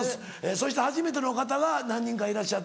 そして初めての方が何人かいらっしゃって。